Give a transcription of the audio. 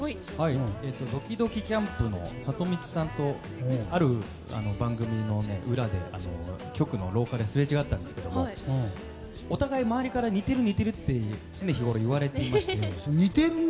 どきどきキャンプのサトミツさんとある番組の裏で局の廊下ですれ違ったんですけどお互い、周りから似ているって常日頃から言われていまして似てるね。